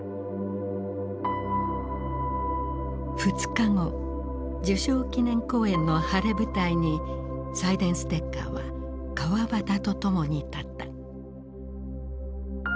２日後受賞記念講演の晴れ舞台にサイデンステッカーは川端と共に立った。